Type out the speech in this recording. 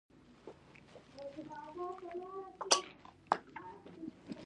بې له دې نظم، اسناد نه موندل کېږي.